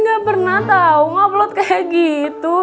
nggak pernah tau ngeupload kayak gitu